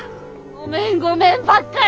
ごめんごめんばっかり！